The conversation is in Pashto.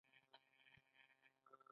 یوټوبر دې د خلکو له ژوند سودا ونه کړي.